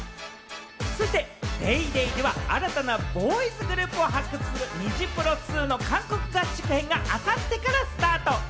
『ＤａｙＤａｙ．』では、新たなボーイズグループを発掘するニジプロ２の韓国合宿編があさってからスタート。